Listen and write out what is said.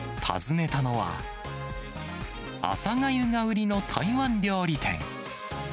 訪ねたのは、朝がゆが売りの台湾料理店。